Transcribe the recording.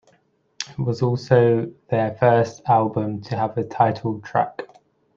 It was also their first album to have a title track.